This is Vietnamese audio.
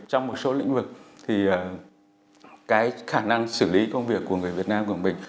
trong một số lĩnh vực thì cái khả năng xử lý công việc của người việt nam của mình